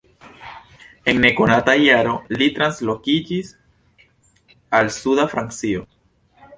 En nekonata jaro li translokiĝis al suda Francio.